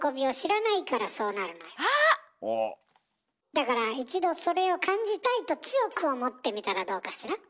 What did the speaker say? だから一度それを感じたいと強く思ってみたらどうかしら？